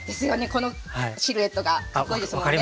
このシルエットがかっこいいですもんね。